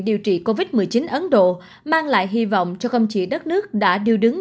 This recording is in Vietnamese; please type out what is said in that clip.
điều trị covid một mươi chín ấn độ mang lại hy vọng cho không chỉ đất nước đã đưa đứng